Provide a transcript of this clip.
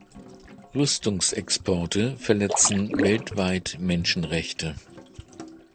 Rüstungsexporte verletzen weltweit Menschenrechte.